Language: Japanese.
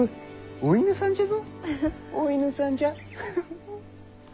お犬さんじゃぞ。